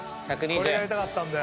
これがやりたかったんだよ。